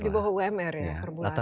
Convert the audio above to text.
di bawah wmr ya perbulannya